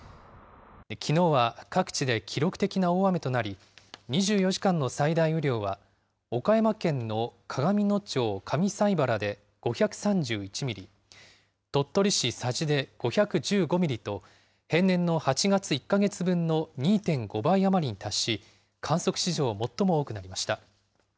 きのうは各地で記録的な大雨となり、２４時間の最大雨量は、岡山県の鏡野町上齋原で５３１ミリ、鳥取市佐治で５１５ミリと、平年の８月１か月分の２．５倍余りに達し、観測史上最も多くなりました。